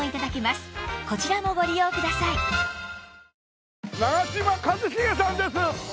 また長嶋一茂さんです。